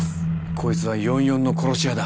こいつは４４の殺し屋だ。